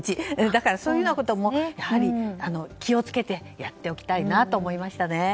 だから、そういうことも気を付けてやっておきたいなと思いました。